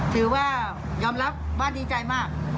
ถือว่ายอมรับว่าดีใจมาก